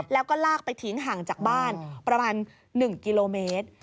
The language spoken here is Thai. แล้วก็ลากไปทิ้งห่างจากบ้านประมาณ๑กิโลเมตร